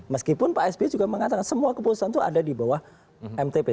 meskipun pak sby juga mengatakan semua keputusan itu ada di bawah mtp